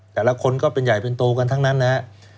แต่ละคนก็เป็นใหญ่เป็นโตกันทั้งนั้นนะครับ